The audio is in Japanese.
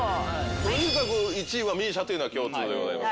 とにかく１位はＭＩＳＩＡというのは共通でございます。